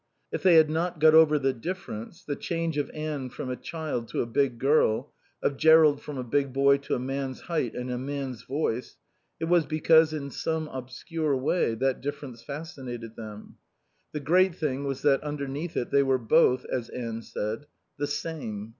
If they had not got over the "difference," the change of Anne from a child to a big girl, of Jerrold from a big boy to a man's height and a man's voice, it was because, in some obscure way, that difference fascinated them. The great thing was that underneath it they were both, as Anne said, "the same."